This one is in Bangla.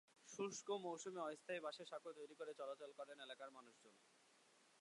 শুষ্ক মৌসুমে অস্থায়ী বাঁশের সাঁকো তৈরি করে চলাচল করেন এলাকার মানুষজন।